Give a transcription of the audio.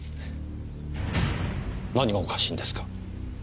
何がおかしいんですか？